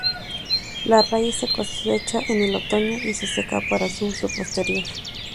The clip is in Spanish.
La raíz se cosecha en el otoño y se seca para su uso posterior.